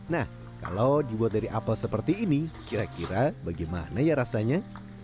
nah kalau dibuat dari apel seperti ini kira kira bagaimana ya rasanya